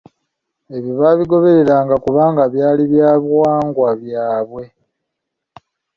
Ebyo baabigobereranga kubanga byali bya buwangwa byabwe.